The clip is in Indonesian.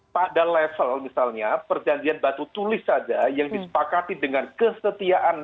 pada level misalnya perjanjian batu tulis saja yang disepakati dengan kesetiaan